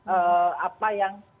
eeem apa yang